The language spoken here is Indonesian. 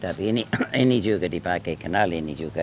tapi ini juga dipakai kenal ini juga